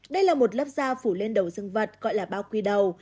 đây là một lớp da phủ lên đầu dân vật gọi là bao quy đầu